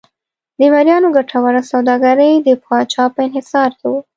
د مریانو ګټوره سوداګري د پاچا په انحصار کې وه.